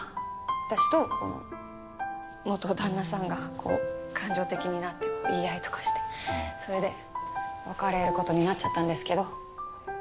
私と元旦那さんがこう感情的になって言い合いとかしてそれで別れる事になっちゃったんですけど。